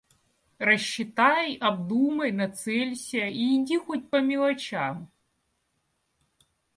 Рассчитай, обдумай, нацелься — и иди хоть по мелочам.